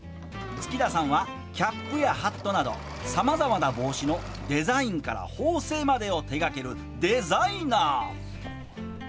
月田さんはキャップやハットなどさまざまな帽子のデザインから縫製までを手がけるデザイナー。